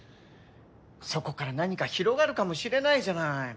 そこから何か広がるかもしれないじゃない。